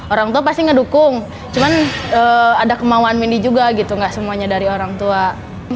orang tua pasti ngedukung cuman ada kemauan windy juga gitu nggak semuanya dari orang